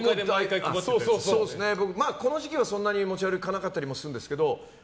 この時期はそんなに持ち歩かなかったりするんですが。